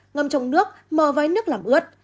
ngâm trong nước mờ với nước làm ướt